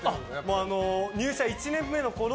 もう、入社１年目のころ